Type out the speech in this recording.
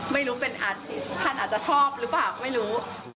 ไม่รู้เป็นอาทิตย์ท่านอาจจะชอบหรือเปล่าไม่รู้